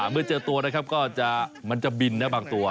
เมื่อเจอตัวนะครับก็มันจะบินนะบางตัว